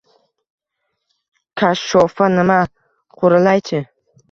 Kashshofa nima? Quralay-chi?